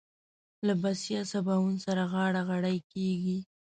له بسيا سباوون سره غاړه غړۍ کېږي.